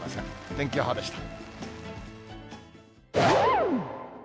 天気予報でした。